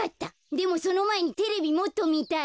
でもそのまえにテレビもっとみたい。